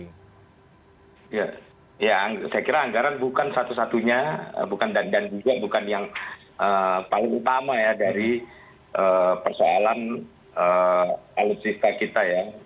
ya saya kira anggaran bukan satu satunya dan juga bukan yang paling utama ya dari persoalan alutsista kita ya